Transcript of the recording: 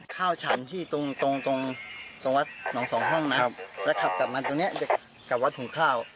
ข้าวสั่นตรงวัดหนองสองห้องนะพร้อมกลับมาตรงนี้ได้กลับวัดขุมข้าว